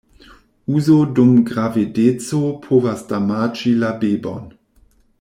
Uzo dum gravedeco povas damaĝi la bebon.